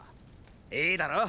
いいだろ？